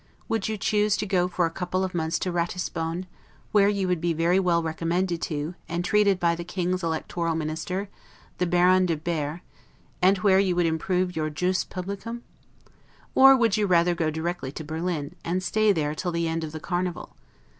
Would you choose to go for a couple of months to Ratisbon, where you would be very well recommended to, and treated by the King's Electoral Minister, the Baron de Behr, and where you would improve your 'Jus publicum'? or would you rather go directly to Berlin, and stay there till the end of the Carnival?